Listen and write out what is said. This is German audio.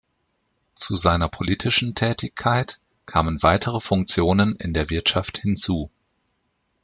Zu seiner politischen Tätigkeit kamen weitere Funktionen in der Wirtschaft hinzu.